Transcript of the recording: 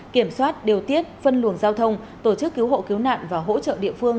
kiểm soát điều tiết phân luồng giao thông tổ chức cứu hộ cứu nạn và hỗ trợ địa phương